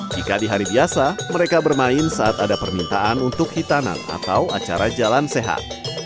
jika di hari biasa mereka bermain saat ada permintaan untuk hitanan atau acara jalan sehat